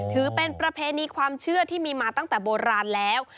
ถือเป็นประเพณีความเชื่อที่มีมาตั้งแต่โบราณแล้ว